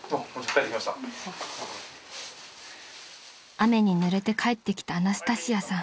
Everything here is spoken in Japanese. ［雨にぬれて帰ってきたアナスタシアさん］